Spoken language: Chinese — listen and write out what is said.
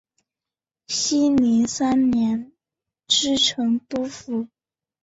熙宁三年知成都府。